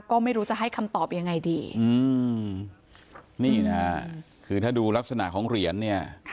ก็ไม่รู้จะให้คำตอบยังไงดีอืมนี่นะฮะคือถ้าดูลักษณะของเหรียญเนี่ย